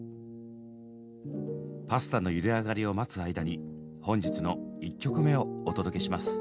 パスタのゆで上がりを待つ間に本日の１曲目をお届けします。